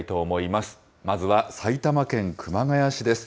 まずは埼玉県熊谷市です。